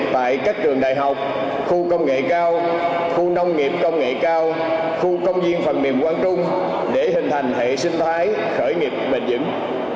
tại các trường đại học khu công nghệ cao khu nông nghiệp công nghệ cao khu công viên phần mềm quang trung để hình thành hệ sinh thái khởi nghiệp bền dững